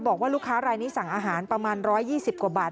บอกว่าลูกค้ารายนี้สั่งอาหารประมาณ๑๒๐กว่าบาท